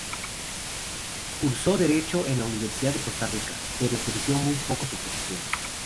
Cursó derecho en la Universidad de Costa Rica, pero ejerció muy poco su profesión.